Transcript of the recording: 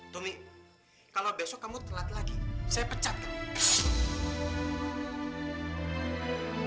tumi kalau besok kamu telat lagi saya pecatkan